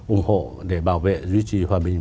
ủng hộ để bảo vệ duy trì hòa bình